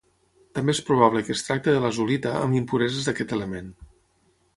També és probable que es tracti de lazulita amb impureses d'aquest element.